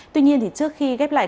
tuy nhiên thì trước khi ghép lại